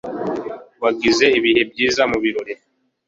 Wagize ibihe byiza mubirori?